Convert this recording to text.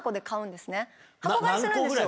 箱買いするんですよ。